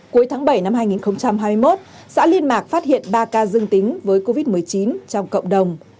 cuối tháng bảy năm hai nghìn hai mươi một xã liên mạc phát hiện ba ca dương tính với covid một mươi chín trong cộng đồng